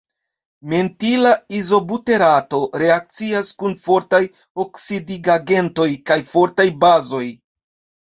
Mentila izobuterato reakcias kun fortaj oksidigagentoj kaj fortaj bazoj.